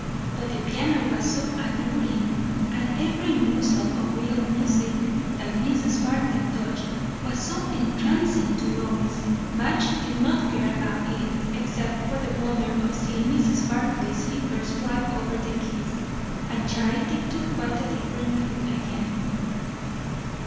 But the piano was so alluring! And every morsel of real music that Mrs. Barclay touched was so entrancing to Lois. To Lois; Madge did not care about it, except for the wonder of seeing Mrs. Barclay's fingers fly over the keys; and Charity took quite a different view again.